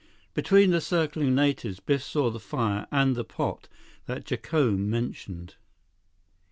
Between the circling natives, Biff saw the fire and the pot that Jacome mentioned.